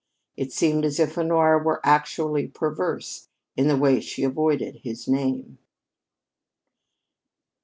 It seemed as if Honora were actually perverse in the way she avoided his name.